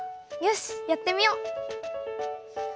よしやってみよう！